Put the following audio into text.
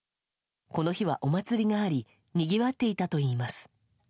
この日はお祭りがありにぎわっていたといいます。